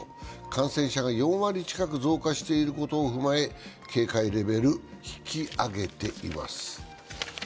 感染者が４割近く増加していることを踏まえ、警戒レベル引き上げています。